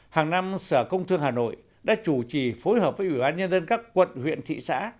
hàng năm sở công thương hà nội đã chủ trì phối hợp với ủy ban nhân dân các quận huyện thị xã